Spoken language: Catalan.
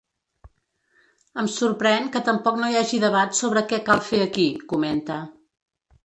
Em sorprèn que tampoc no hi hagi debat sobre què cal fer aquí, comenta.